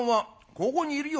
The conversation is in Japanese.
「ここにいるよ。